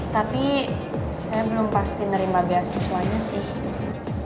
tapi saya belum pasti nerima beasiswanya sih